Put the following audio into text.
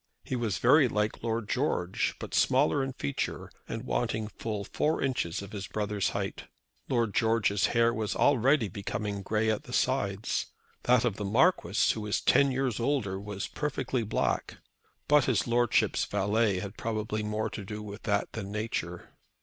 He was very like Lord George, but smaller in feature, and wanting full four inches of his brother's height. Lord George's hair was already becoming grey at the sides. That of the Marquis, who was ten years older, was perfectly black; but his Lordship's valet had probably more to do with that than nature.